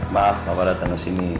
maaf papa datang kesini